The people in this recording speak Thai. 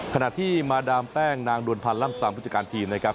ขณะที่มาดามแป้งนางดวนพันธ์ล่ำซามผู้จัดการทีมนะครับ